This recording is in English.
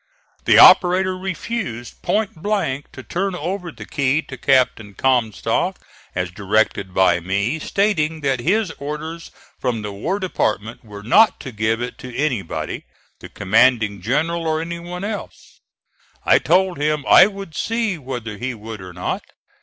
The operator refused point blank to turn over the key to Captain Comstock as directed by me, stating that his orders from the War Department were not to give it to anybody the commanding general or any one else. I told him I would see whether he would or not.